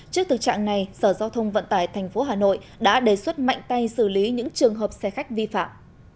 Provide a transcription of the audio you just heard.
trước thực trạng này sở giao thông vận tải tp hà nội đã đề xuất mạnh tay xử lý những trường hợp xe khách vi phạm